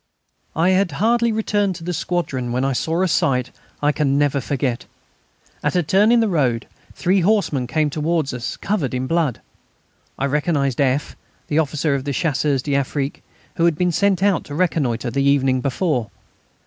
I had hardly returned to the squadron when I saw a sight I can never forget. At a turn in the road three horsemen came towards us covered with blood. I recognised F., the officer of Chasseurs d'Afrique, who had been sent out to reconnoitre the evening before.